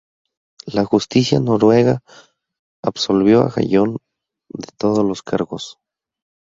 La justicia noruega absolvió a Jon de todos los cargos.